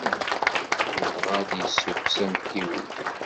Yebɣa ad d-yessukkes amtiweg.